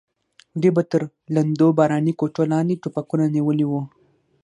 دوی به تر لندو باراني کوټو لاندې ټوپکونه نیولي وو.